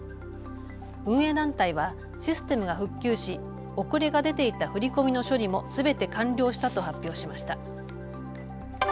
運営団体はシステムが復旧し遅れが出ていた振り込みの処理もすべて完了したと発表しました。